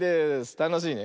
たのしいね。